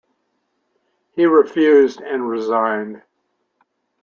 He refused, and resigned.